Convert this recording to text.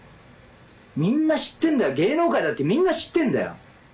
みんな知ってるんだよ、芸能界だってみんな知ってるんだよ。